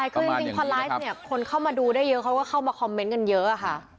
คือจริงพอไลฟ์เนี่ยคนเข้ามาดูได้เยอะเขาก็เข้ามาคอมเมนต์กันเยอะค่ะ